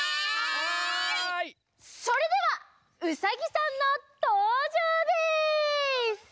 それではウサギさんのとうじょうです！